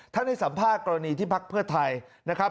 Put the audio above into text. ให้สัมภาษณ์กรณีที่พักเพื่อไทยนะครับ